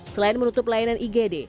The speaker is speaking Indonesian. selain menutup pelayanan igd